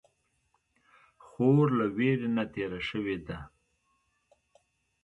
خور له ویرې نه تېره شوې ده.